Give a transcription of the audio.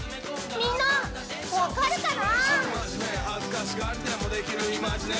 みんな、分かるかな？